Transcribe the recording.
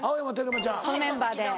このメンバーで。